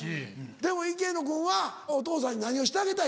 でも池野君はお父さんに何をしてあげたいの？